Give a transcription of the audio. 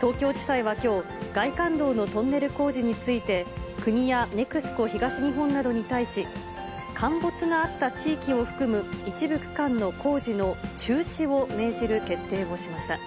東京地裁はきょう、外環道のトンネル工事について、国やＮＥＸＣＯ東日本などに対し、陥没があった地域を含む一部区間の工事の中止を命じる決定をしました。